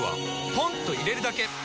ポンと入れるだけ！